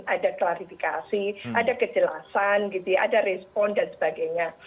ada klarifikasi ada kejelasan ada respon dan sebagainya